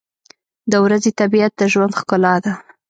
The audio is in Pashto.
• د ورځې طبیعت د ژوند ښکلا ده.